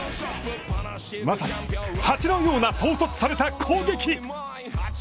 まさに蜂のような統率された攻撃！